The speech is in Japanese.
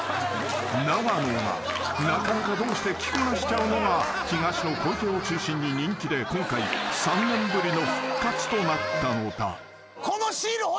［永野がなかなかどうして着こなしちゃうのが東野小池を中心に人気で今回３年ぶりの復活となったのだ］